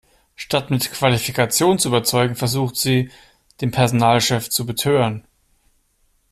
Statt mit Qualifikation zu überzeugen, versucht sie, den Personalchef zu betören.